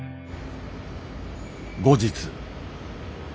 後日。